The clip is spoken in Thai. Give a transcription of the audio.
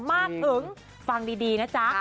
มากถึงฟังดีนะจ๊ะ